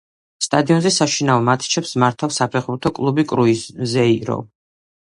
სტადიონზე საშინაო მატჩებს მართავს საფეხბურთო კლუბი „კრუზეირო“.